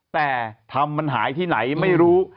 แต่ทำมันหายที่ไหนไม่รู้